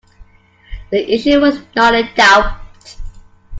The issue was not in doubt.